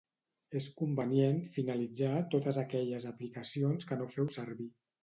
És convenient finalitzar totes aquelles aplicacions que no feu servir.